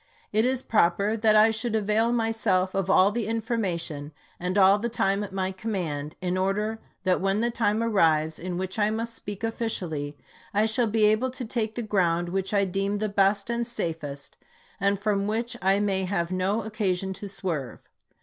It is proper that I should avail myself of all the information and all the time at my command, in order that when the time arrives in which I must speak officially, I shall be able to take the ground which I deem the best and safest, and from which I may have no oc casion to swerve.